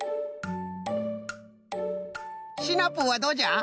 シナプーはどうじゃ？